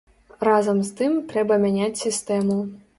Разам з тым, трэба мяняць сістэму.